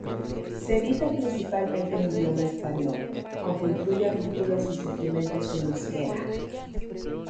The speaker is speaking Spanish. Se edita principalmente en idioma español, aunque incluye artículos y suplementos en euskera.